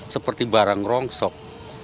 seperti barang rongsok